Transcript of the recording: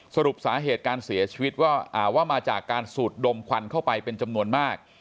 สรุปสาเหตุการเสียชีวิตว่ามาจากการสูดดมควันเข้าไปเป็นจำนวนมาก